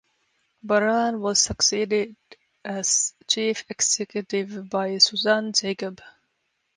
Barran was succeeded as chief executive by Suzanne Jacob.